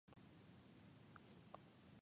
岐阜県本巣市